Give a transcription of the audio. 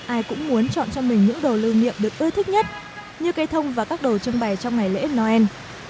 ai cũng muốn chọn cho mình những đồ lưu niệm được ưa thích nhất như cây thông và các đồ trưng bày trong ngày lễ noel